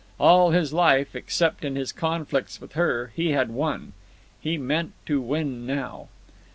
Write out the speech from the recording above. All his life, except in his conflicts with her, he had won. He meant to win now.